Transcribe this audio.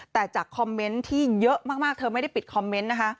แต่จากคอมเมนต์ที่เยอะมากเธอไม่ได้ปิดคอมเมนต์นะคะ